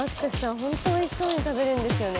本当おいしそうに食べるんですよね。